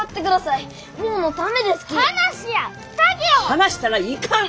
離したらいかん！